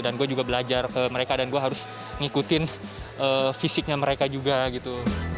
dan gue juga belajar ke mereka dan gue harus ngikutin fisiknya mereka juga gitu